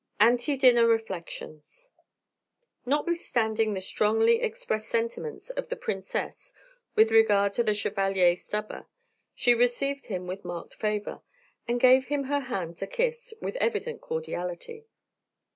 ANTE DINNER REFLECTIONS Notwithstanding the strongly expressed sentiments of the Princess with regard to the Chevalier Stubber, she received him with marked favor, and gave him her hand to kiss, with evident cordiality.